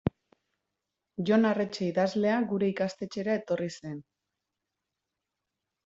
Jon Arretxe idazlea gure ikastetxera etorri zen.